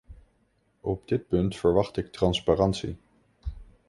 Op dit punt verwacht ik transparantie.